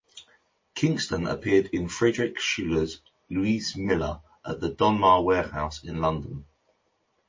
Kingston appeared in Friedrich Schiller's "Luise Miller" at the Donmar Warehouse in London.